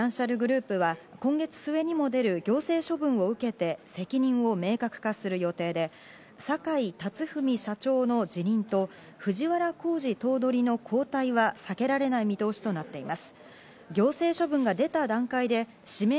みずほフィナンシャルグループは今月末にも出る行政処分を受けて責任を明確化する予定で、坂井社長の辞任と藤原頭取の交代は避けられない見通しとなっています。